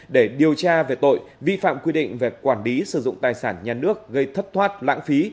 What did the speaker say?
để điều tra về tội vi phạm quy định về quản lý sử dụng tài sản nhà nước gây thất thoát lãng phí